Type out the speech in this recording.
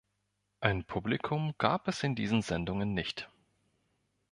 Ein Publikum gab es in diesen Sendungen nicht.